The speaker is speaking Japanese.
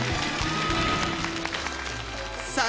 さあ